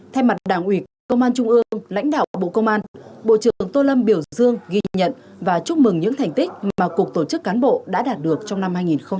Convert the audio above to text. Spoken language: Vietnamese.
thay mặt đảng ủy công an trung ương lãnh đạo bộ công an bộ trưởng tô lâm biểu dương ghi nhận và chúc mừng những thành tích mà cục tổ chức cán bộ đã đạt được trong năm hai nghìn hai mươi ba